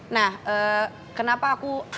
nah kenapa aku